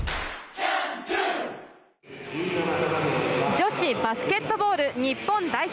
女子バスケットボール日本代表。